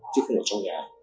chứ không ở trong nhà